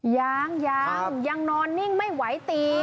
ยังยังนอนนิ่งไม่ไหวตี